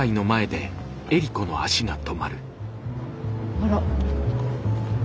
あら？